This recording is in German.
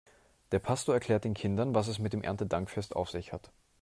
Der Pastor erklärt den Kindern, was es mit dem Erntedankfest auf sich hat.